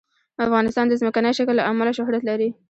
افغانستان د ځمکنی شکل له امله شهرت لري.